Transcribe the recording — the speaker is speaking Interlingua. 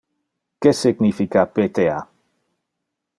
Que significa pta?